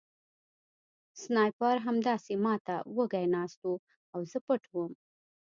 سنایپر همداسې ما ته وږی ناست و او زه پټ وم